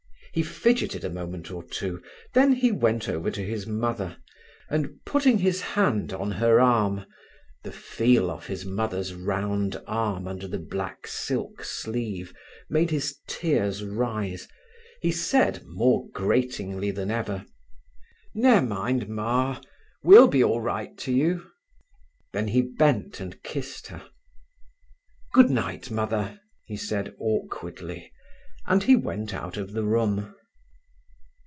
He fidgeted a moment or two, then he went over to his mother, and, putting his hand on her arm—the feel of his mother's round arm under the black silk sleeve made his tears rise—he said, more gratingly than ever: "Ne'er mind, Ma; we'll be all right to you." Then he bent and kissed her. "Good night, Mother," he said awkwardly, and he went out of the room.